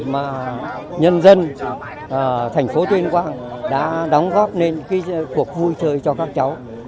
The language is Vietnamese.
mà nhân dân thành phố tuyên quang đã đóng góp nên cái cuộc vui chơi cho các cháu